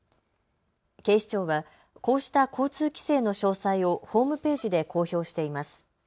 警視庁はこうした交通規制の詳細をホームページで公表しています。